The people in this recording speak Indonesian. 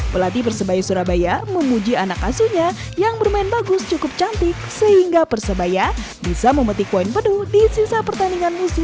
pelatih persebaya surabaya memuji anak asuhnya yang bermain bagus cukup cantik sehingga persebaya bisa memetik poin penuh di sisa pertandingan musim